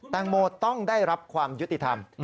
แตงโมต้องได้รับความยุติธรรม